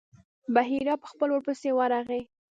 بحیرا په خپله ورپسې ورغی.